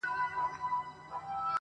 نه خبره نه کیسه ترې هېرېدله؛